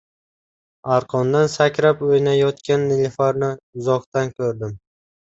Arqondan sakrab o‘ynayotgan Nilufarni uzoqdan ko‘rdim.